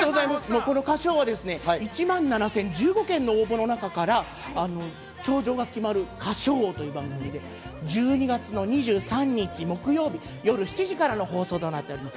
この『歌唱王』は１万７０１５件の応募の中から頂上が決まる『歌唱王』という番組で１２月２３日木曜日、夜７時からの放送となっております。